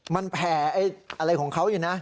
มันแผ่อะไรของเขาอยู่นะ